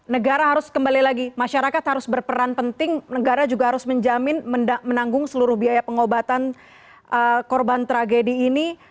negara harus kembali lagi masyarakat harus berperan penting negara juga harus menjamin menanggung seluruh biaya pengobatan korban tragedi ini